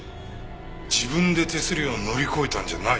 自分で手すりを乗り越えたんじゃない？